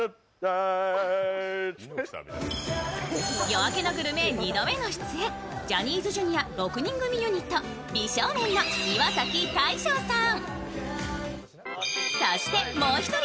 「夜明けのグルメ」２度目の出演、ジャニーズＪｒ．６人組ユニット美少年の岩崎大昇さん。